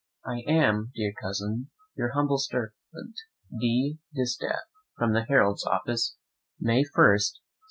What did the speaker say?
I am, dear Cousin, "Your humble servant, "D. DISTAFF. "From the Heralds' Office, "May 1, 1709." II.